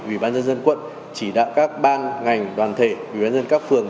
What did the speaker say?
ủy ban dân dân quận chỉ đạo các bang ngành đoàn thể ủy ban dân các phường